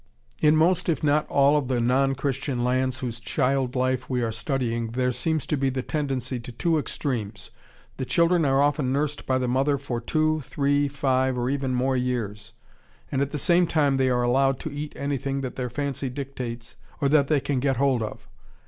In most if not all of the non Christian lands whose child life we are studying there seems to be the tendency to two extremes. The children are often nursed by the mother for two, three, five, or even more years, and at the same time they are allowed to eat anything that their fancy dictates or that they can get hold of.